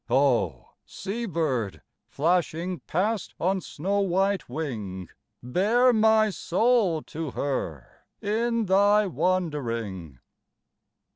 Oh! sea bird, flashing past on snow white wing, Bear my soul to her in thy wandering.